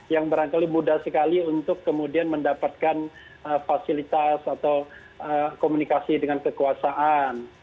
yang barangkali mudah sekali untuk kemudian mendapatkan fasilitas atau komunikasi dengan kekuasaan